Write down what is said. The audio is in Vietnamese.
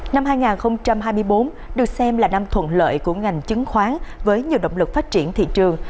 năm hai nghìn hai mươi bốn được xem là năm thuận lợi của ngành chứng khoán với nhiều động lực phát triển thị trường